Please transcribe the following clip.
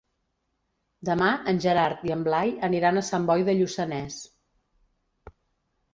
Demà en Gerard i en Blai aniran a Sant Boi de Lluçanès.